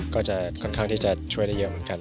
ก็จะค่อนข้างที่จะช่วยได้เยอะเหมือนกัน